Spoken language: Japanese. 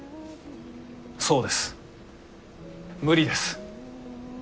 そうです無理です。